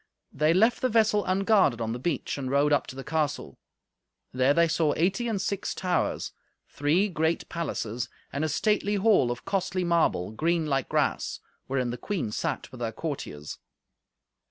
They left the vessel unguarded on the beach, and rode up to the castle. There they saw eighty and six towers, three great palaces, and a stately hall of costly marble, green like grass, wherein the queen sat with her courtiers.